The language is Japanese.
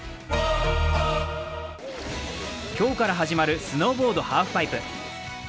今日から始まるスノーボード・ハーフパイプ。